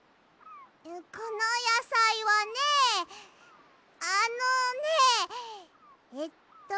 このやさいはねあのねえっとね。